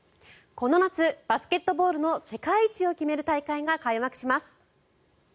この夏バスケットボールの世界一を決める大会が開幕します。